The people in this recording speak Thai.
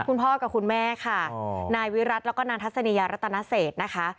คุณพ่อกับคุณแม่ค่ะนายวิรัติแล้วก็นางทัศนียารัตนเศษนะคะ